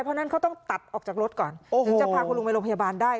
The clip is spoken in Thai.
เพราะฉะนั้นเขาต้องตัดออกจากรถก่อนถึงจะพาคุณลุงไปโรงพยาบาลได้